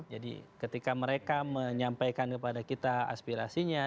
jadi ketika mereka menyampaikan kepada kita aspirasinya